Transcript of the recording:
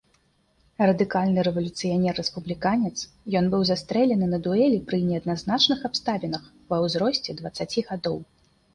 Радыкальны рэвалюцыянер-рэспубліканец, ён быў застрэлены на дуэлі пры неадназначных абставінах ва ўзросце дваццаці гадоў.